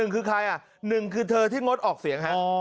คือใคร๑คือเธอที่งดออกเสียงฮะ